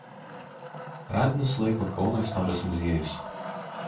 Radinius laiko Kauno istorijos muziejus.